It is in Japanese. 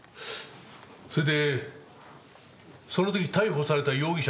それでその時逮捕された容疑者の。